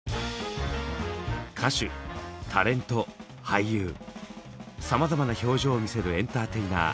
俳優さまざまな表情を見せるエンターテイナー